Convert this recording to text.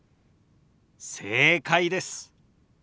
正解です。